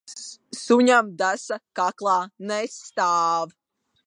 Suņam desa kaklā nestāv.